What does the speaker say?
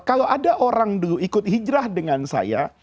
kalau ada orang dulu ikut hijrah dengan saya